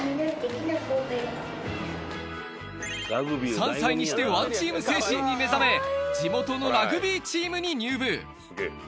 ３歳にしてＯＮＥＴＥＡＭ精神に目覚め、地元のラグビーチームに入部。